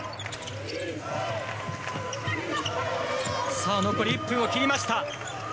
さあ、残り１分を切りました。